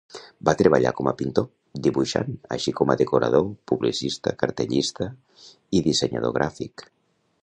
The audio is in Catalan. Va treballar com a pintor, dibuixant, així com a decorador, publicista, cartellista i dissenyador gràfic.